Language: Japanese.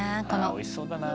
おいしそうだな。